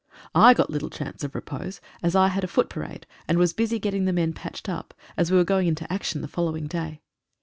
I got little chance of repose, as I had a foot parade, and was busy getting the men patched up, as we were going into action the following day.